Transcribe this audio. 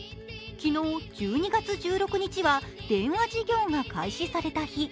昨日、１２月１６日は電話事業が開始された日。